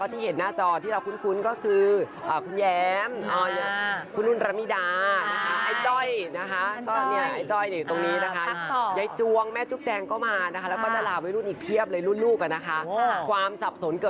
เนื่องจากนักแสดงมาเยอะมาก